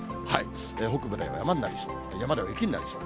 北部の山では雪になりそう。